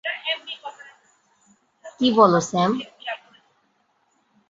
কী বলো, স্যাম?